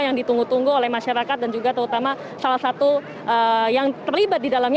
yang ditunggu tunggu oleh masyarakat dan juga terutama salah satu yang terlibat di dalamnya